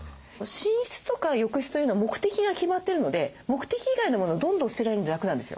寝室とか浴室というのは目的が決まってるので目的以外のモノをどんどん捨てられるんで楽なんですよ。